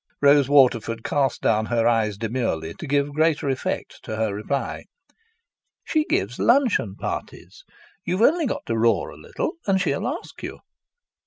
Rose Waterford cast down her eyes demurely to give greater effect to her reply. "She gives luncheon parties. You've only got to roar a little, and she'll ask you."